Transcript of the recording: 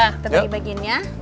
kita bagi bagiin ya